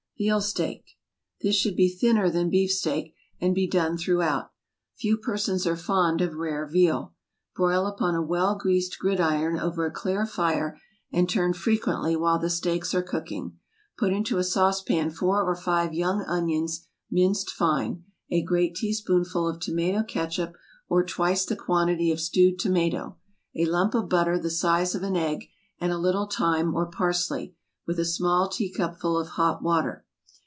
VEAL STEAK. This should be thinner than beef steak, and be done throughout. Few persons are fond of rare veal. Broil upon a well greased gridiron over a clear fire, and turn frequently while the steaks are cooking. Put into a saucepan four or five young onions minced fine, a great teaspoonful of tomato catsup, or twice the quantity of stewed tomato, a lump of butter the size of an egg, and a little thyme or parsley, with a small teacupful of hot water.